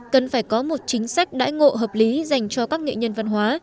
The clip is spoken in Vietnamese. cần phải có một chính sách đãi ngộ hợp lý dành cho các nghệ nhân văn hóa